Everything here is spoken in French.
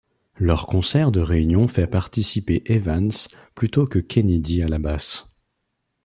Leur concert de réunion fait participer Evans plutôt que Kennedy à la basse.